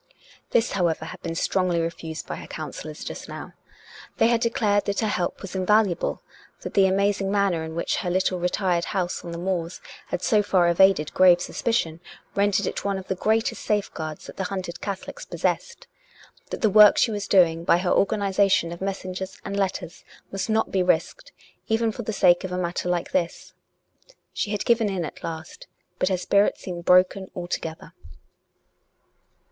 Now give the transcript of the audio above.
This, however, had been strongly refused by her coun sellors just now. They had declared that her help was invaluable; that the amazing manner in which her little retired house on the moors had so far evaded grave suspi cion rendered it one of the greatest safeguards that the hunted Catholics possessed ; that the work she was doing by her organization of messengers and letters must not be risked, even for the sake of a matter like this. ... She had given in at last. But her spirit seemed broken altogether.